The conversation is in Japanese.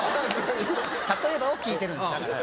例えばを聞いてるんです。